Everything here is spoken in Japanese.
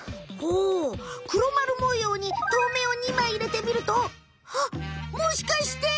おくろまるもようにとうめいを２枚いれてみるとはっもしかして。